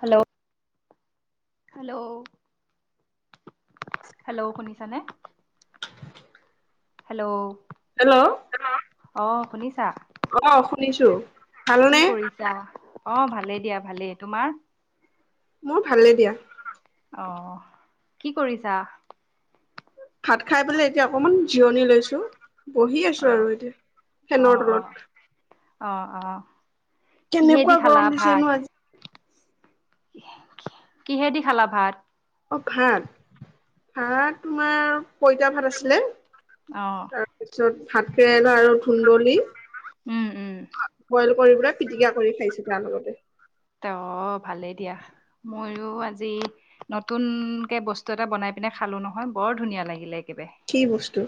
Hello hello. Hello শুনিছা নে hello. Hello. Hello অ' শুনিছা? অ', শুনিছো। কি ভালনে কৰিছা অ' ভালেই দিয়া ভালেই, তোমাৰ? মোৰ ভালে দিয়া। অ', কি কৰিছা? ভাত খাই পেলাই এতিয়া অকমান জিৰণি লৈছো বহি অ আছো আৰু এতিয়া অ ফেনৰ অ তলত। অ', অ', কিহেদি কেনেকুৱা খালা গৰম দিছে নো ভাত? আজি কিহে দি খালা ভাত? অ', ভাত ভাত তোমাৰ পইতা ভাত আছিলে। অ'। তাৰপিছত ভাত কেৰেলা আৰু ধুন্দলি। উম, উম। বইল কৰি পেলে পিটিকা কৰি খাইছো তাৰ লগতে। তে অ' ভালেই দিয়া, মইয়ো আজি নতুনকে বস্তু এটা পিনে খালো নহয় বৰ ধুনীয়া একেবাৰে। কি বস্তু?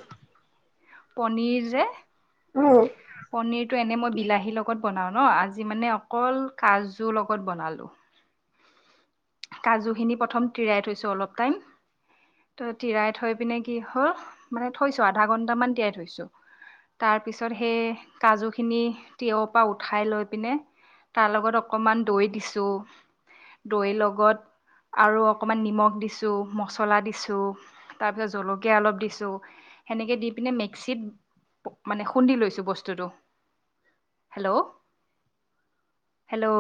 পনিৰ যে অ পনিৰটো এনে মই বিলাহীৰ লগত বনাওঁ ন আজি মানে অকল কাজু লগত বনালোঁ। কাজুখিনি প্ৰথম তিয়াই থোছো অলপ টাইম। ত' তিৰাই থৈ পিনে কি হ'ল মানে থৈছো আধা ঘন্টামান তিয়াই থৈছো। তাৰ পিছত সেই কাজুখিনি তিয়ৰ পৰা উঠাই লৈ পিনে। তাৰ লগত অকনমান দৈ দিছো দৈ লগত গত আৰু অকণমান নিমখ দিছো মছলা দিছো। তাৰ পিছত জলকীয়া অলপ দিছো সেনেকে দি পিনে মিক্সিত মানে খুন্দি লৈছোঁ বস্তুটো, হেল্ল'। হেল্ল'।